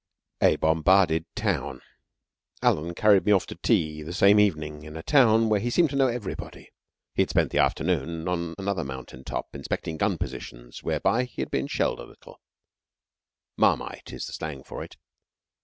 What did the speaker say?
....... A BOMBARDED TOWN Alan carried me off to tea the same evening in a town where he seemed to know everybody. He had spent the afternoon on another mountain top, inspecting gun positions; whereby he had been shelled a little marmite is the slang for it.